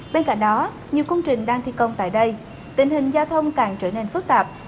bên cạnh đó nhiều công trình đang thi công tại đây tình hình giao thông càng trở nên phức tạp